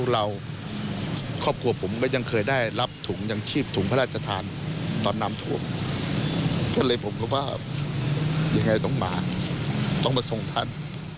ครอบครัวผมไม่ยังเคยได้รับถุงยังชีพถุงพระราชธานตอนนามถูกเลยผมก็ว่าอย่างไรต้องมาต้องมาส่งทัน